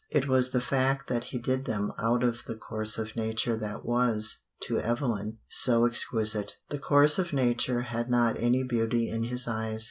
It was the fact that he did them out of the course of nature that was, to Evelyn, so exquisite. The course of nature had not any beauty in his eyes.